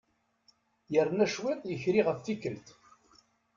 Yerna cwiṭ yekri ɣef tikkelt.